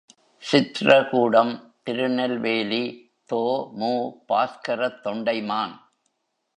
சித்ரகூடம் திருநெல்வேலி தொ.மு.பாஸ்கரத் தொண்டைமான்.